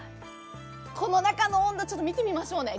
この中の温度、見てみましょうね。